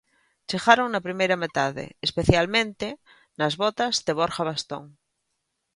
Chegaron na primeira metade, especialmente nas botas de Borja Bastón.